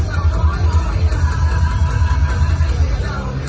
มันเป็นเมื่อไหร่แล้ว